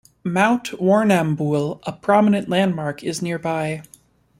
Mount Warrnambool, a prominent landmark is nearby.